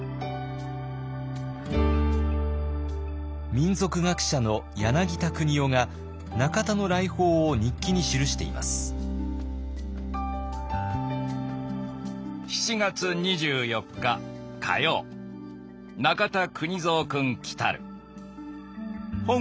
民俗学者の柳田国男が中田の来訪を日記に記しています。